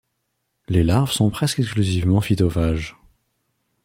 Les larves sont presque exclusivement phytophages.